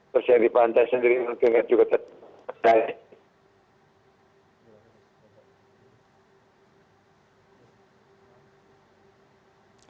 terus yang di pantai sendiri mungkin juga terkait